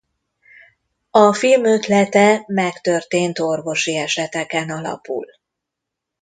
A film ötlete megtörtént orvosi eseteken alapul.